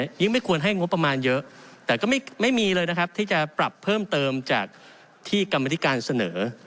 ยิ่งไม่ควรให้งบประมาณเยอะแต่ก็ไม่มีเลยนะครับที่จะปรับเพิ่มเติมจากที่กรรมธิการเสนอ